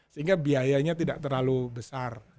sehingga biayanya tidak terlalu besar